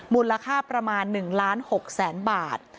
มูลค่าประมาณ๑ล้าน๖แสนบาท